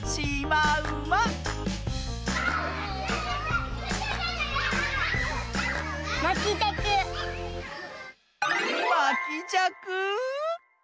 まきじゃく！